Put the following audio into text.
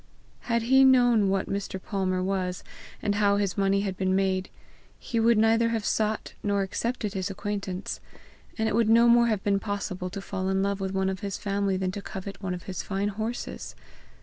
Had he known what Mr. Palmer was, and how his money had been made, he would neither have sought nor accepted his acquaintance, and it would no more have been possible to fall in love with one of his family than to covet one of his fine horses.